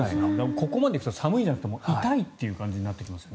ここまで行くと寒いじゃなくて痛いっていう感じになってきますよね。